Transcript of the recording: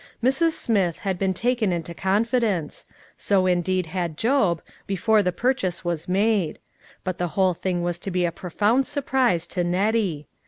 Mrs. Smith had been taken into confidence ; so indeed had Job, before the purchase was made ; but the whole thing was to be a profound sur prise to Nettie.